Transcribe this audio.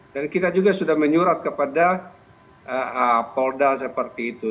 dan kita juga sudah menyurat kepada polda seperti itu